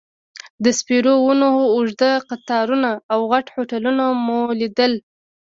د سپیرو ونو اوږد قطارونه او غټ هوټلونه مو لیدل.